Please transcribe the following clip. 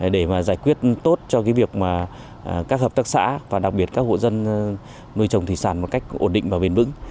để mà giải quyết tốt cho việc các hợp tác xã và đặc biệt các hộ dân nuôi trồng thủy sản một cách ổn định và bền vững